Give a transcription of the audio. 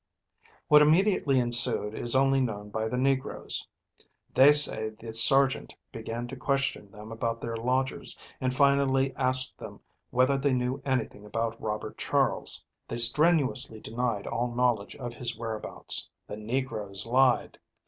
What immediately ensued is only known by the Negroes. They say the sergeant began to question them about their lodgers and finally asked them whether they knew anything about Robert Charles. They strenuously denied all knowledge of his whereabouts. The Negroes lied.